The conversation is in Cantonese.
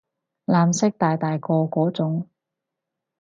藍色大大個嗰種